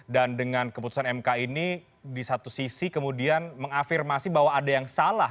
dan dengan keputusan mk ini di satu sisi kemudian mengafirmasi bahwa ada yang salah